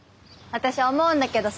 私思うんだけどさ。